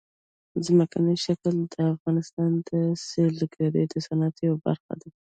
ځمکنی شکل د افغانستان د سیلګرۍ د صنعت یوه برخه ده.